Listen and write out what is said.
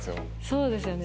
そうですよね。